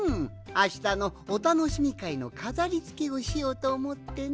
あしたのおたのしみかいのかざりつけをしようとおもってのう。